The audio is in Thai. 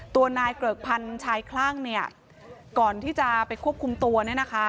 ตัวนายเกริกพันธ์ชายคลั่งเนี่ยก่อนที่จะไปควบคุมตัวเนี่ยนะคะ